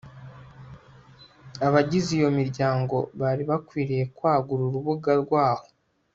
Abagize iyo miryango bari bakwiriye kwagura urubuga rwaho